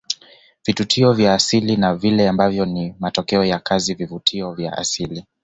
Vivutio vya asili na vile ambavyo ni matokeo ya kazi vivutio vya asili